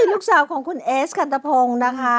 ลูกสาวของคุณเอสกันตะพงศ์นะคะ